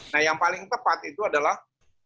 nah yang paling tepat itu adalah